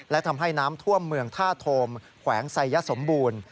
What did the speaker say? และทำให้น้ำท่วมเมืองท่าโทมแขวงไซยสมบูรณ์